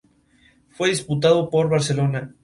Fue diputado por Barcelona.